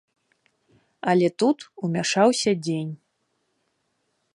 Але тут умяшаўся дзень.